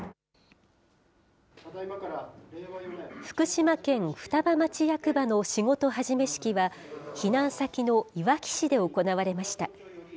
福島県双葉町役場の仕事始め式は、避難先のいわき市で行われました。